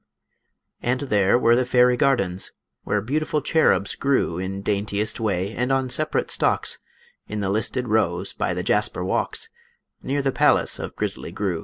And there were the fairy gardens, Where beautiful cherubs grew In daintiest way and on separate stalks, In the listed rows by the jasper walks, Near the palace of Grizzly Gru.